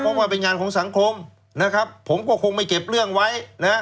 เพราะว่าเป็นงานของสังคมนะครับผมก็คงไม่เก็บเรื่องไว้นะฮะ